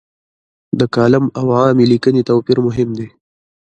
د کالم او عامې لیکنې توپیر مهم دی.